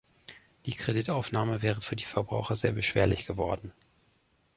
Die Kreditaufnahme wäre für die Verbraucher sehr beschwerlich geworden.